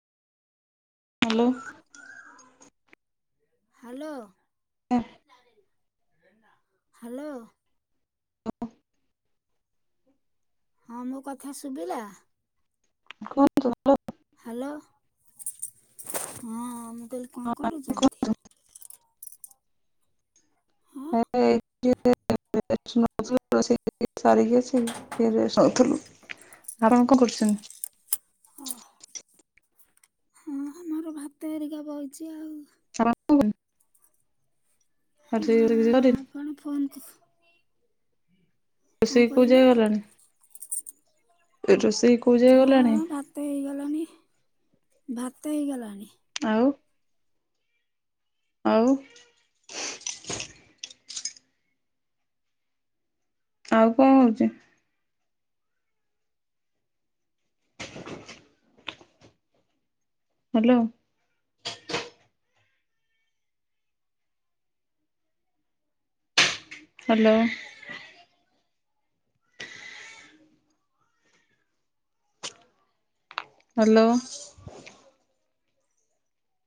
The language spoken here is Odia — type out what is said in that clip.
ହ୍ୟାଲୋ। ହ୍ୟାଲୋ। ହ୍ୟାଲୋ। ହଁ ମୋ କଥା ଶୁଭିଲା? କୁହନ୍ତୁ? ହ୍ୟାଲୋ ହଁ ମୁଁ କହିଲେ କଣ କରୁଚନ୍ତି? ହଁ [unintelligible] ସାର କି [unintelligible] ଆପଣ କଣ କରୁଛନ୍ତି? [unintelligible] ମୋର ଭାତ ହେରିକା ବଛି ଆଉ। ଖରା [unintelligible] ଆ ହଁ [unintelligible] ଆପଣ ଫୋନ୍ କଣ ରୋଷେଇ କୋ କହିଲେ ଯାଇ ଗଲାଣି? ଏ ରୋଷେଇ କୋଉ ଯାଏ ଗଲାଣି? ହଁ ଭାତ ହେଇଗଲାଣି ଭାତ ହେଇଗଲାଣି। ଆଉ [unintelligible] ଆଉ କଣ ହଉଛି? ହ୍ୟାଲୋ। ହ୍ୟାଲୋ। ହ୍ୟାଲୋ।